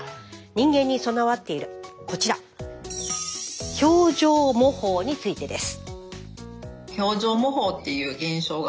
人間に備わっているこちら。についてです。